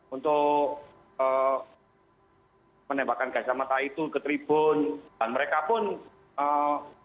untuk menembakkan gas air mata itu ke tribun dan mereka pun mengeklaim tidak menang